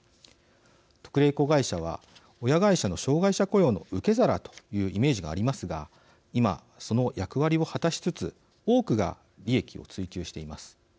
特例子会社は親会社の障害者雇用の受け皿というイメージがありますが今、その役割を果たしつつ多くが利益を追求しています。